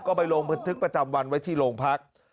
ก็ไปลงพยามคิดพัจจำวันไว้ที่โรงพัก